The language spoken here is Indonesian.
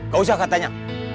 gak usah katanya